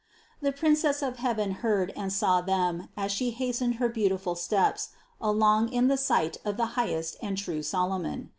The Princess of heaven heard and saw them as She hastened her beauti ful steps along in the sight of the highest and the true Solomon.